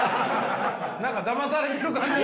何かだまされてる感じが。